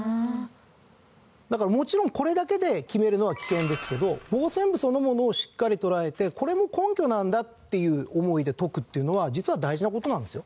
だからもちろんこれだけで決めるのは危険ですけど傍線部そのものをしっかり捉えてこれも根拠なんだっていう思いで解くっていうのは実は大事な事なんですよ。